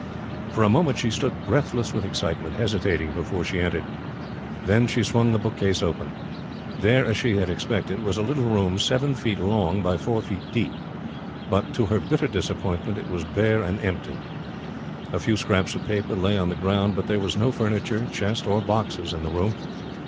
For a moment she stood breathless with excitement, hesitating before she entered; then she swung the bookcase open. There, as she had expected, was a little room seven feet long by four deep; but, to her bitter disappointment, it was bare and empty. A few scraps of paper lay on the ground, but there was no furniture, chest, or boxes in the room.